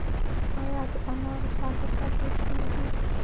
آیا د انارو صادرات ډیر شوي دي؟